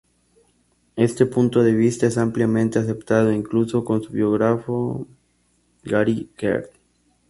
Este punto de vista es ampliamente aceptado, incluso por su biógrafo Gary Kern.